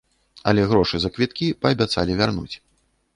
Але грошы за квіткі паабяцалі вярнуць.